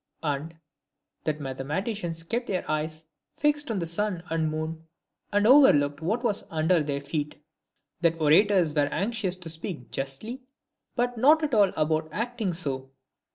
And, " That mathematicians kept their eyes fixed on the sun and moon, and overlooked what was under their feet." "That DIOGENES. 227 orators were anxious to speak justly, but not at all about acting so."